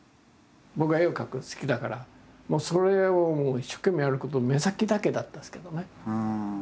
僕は絵を描くの好きだからもうそれを一生懸命やること目先だけだったですけどね。